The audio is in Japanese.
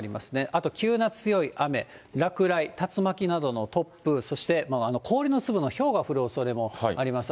あと急な強い雨、落雷、竜巻などの突風、そして氷の粒のひょうが降るおそれもあります。